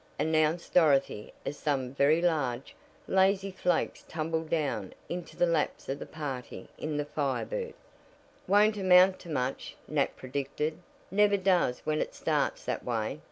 announced Dorothy as some very large, lazy flakes tumbled down into the laps of the party in the Fire Bird. "Won't amount to much," Nat predicted. "Never does when it starts that way.